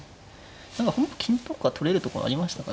何か本譜金とか取れるとこありましたか。